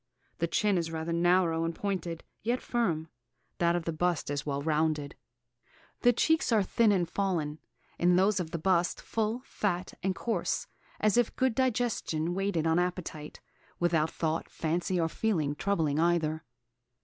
The chin is rather narrow and pointed, yet firm; that of the bust well rounded. The cheeks are thin and fallen; in those of the bust full, fat, and coarse, as if 'good digestion waited on appetite,' without thought, fancy, or feeling, troubling either.